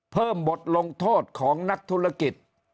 เพิ่มบทลงโทษของนักธุรกิจ